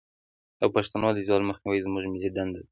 د پښتو د زوال مخنیوی زموږ ملي دندې ده.